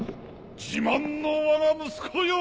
自慢のわが息子よ！